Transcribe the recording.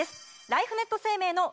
ライフネット生命の。